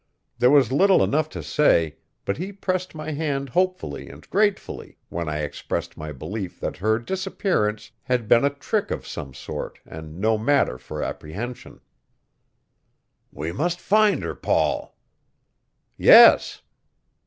There was little enough to say, but he pressed my hand hopefully and gratefully when I expressed my belief that her disappearance had been a trick of some sort and no matter for apprehension. "We must find her, Paul." "Yes."